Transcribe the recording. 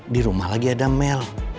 di rumah lagi ada mel